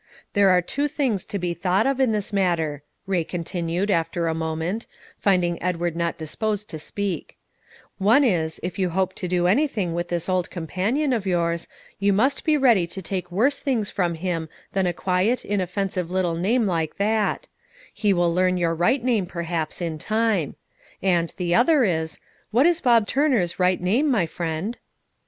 There are two things to be thought of in this matter," Ray continued, after a moment, finding Edward not disposed to speak: "one is, if you hope to do anything with this old companion of yours, you must be ready to take worse things from him than a quiet, inoffensive little name like that; he will learn your right name, perhaps, in time. And the other is What is Bob Turner's right name, my friend?"